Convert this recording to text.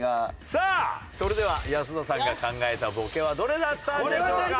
さあそれでは安田さんが考えたボケはどれだったんでしょうか？